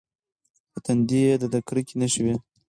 په تندي یې د کرکې نښې وې.